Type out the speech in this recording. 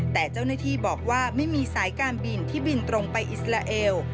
แต่เจ้าหน้าที่บอกว่าไม่มีสายการบินที่บินตรงไปอิสราเอล